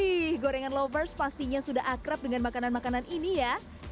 ih gorengan lovers pastinya sudah akrab dengan makanan makanan ini ya